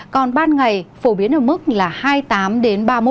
còn ban ngày phổ biến ở mức là hai mươi tám ba mươi một độ